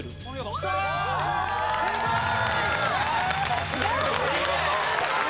すごーい！